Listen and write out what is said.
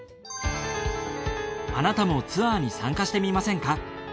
あなたもツアーに参加してみませんか。